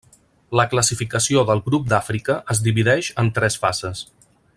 La classificació del grup d'Àfrica es divideix en tres fases.